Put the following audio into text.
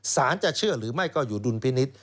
จะเชื่อหรือไม่ก็อยู่ดุลพินิษฐ์